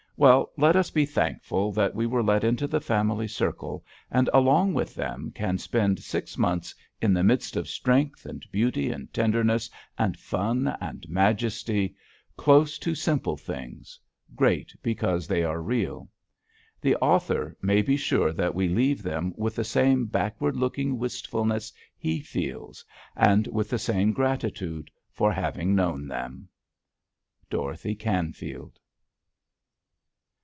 Well, let us be thankful that we were let into the family circle and along with them can spend six months in the midst of strength and beauty and tenderness and fun and majesty, close to simple things, great because they are real. The author may be sure that we leave them with the same backward looking wistfulness he feels, and with the same gratitude for having known them. Dorothy Canfield.